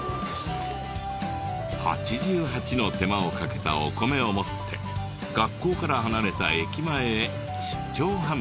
８８の手間をかけたお米を持って学校から離れた駅前へ出張販売。